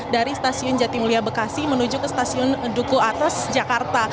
dari stasiun jatimulia bekasi menuju ke stasiun duku atas jakarta